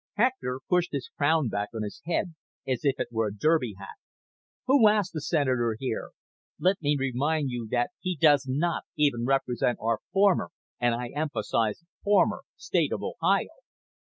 Hector pushed his crown back on his head as if it were a derby hat. "Who asked the Senator here? Let me remind you that he does not even represent our former and I emphasize former State of Ohio.